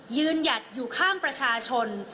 หยัดอยู่ข้างประชาชน